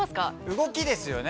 動きですよね